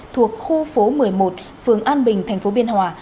thuộc khu phố một mươi một phường an bình tp biên hòa